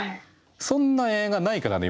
そんな映画ないからね